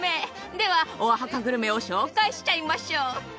ではオアハカグルメを紹介しちゃいましょう。